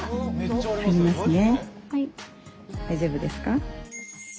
大丈夫ですか？